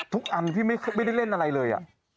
ทุกอันพี่ไม่ได้เล่นอะไรเลย